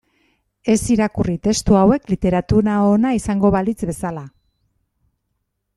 Ez irakurri testu hauek literatura ona izango balitz bezala.